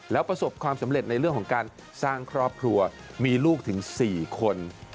แล้วประสบความสำเร็จในเรื่องของการสร้างครอบครัวมีลูกถึง๔คน